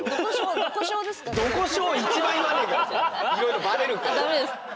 いろいろばれるから。